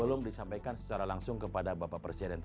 tolong disampaikan secara langsung kepada bapak presiden